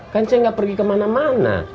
kan ceng gak pergi kemana mana